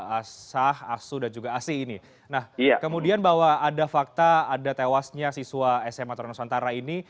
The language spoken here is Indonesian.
asah asu dan juga asi ini nah kemudian bahwa ada fakta ada tewasnya siswa sma tarunantara ini